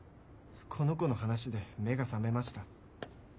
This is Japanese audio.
この子の話で目が覚めました。